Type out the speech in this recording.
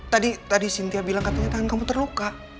tadi sintia bilang katanya tangan kamu terluka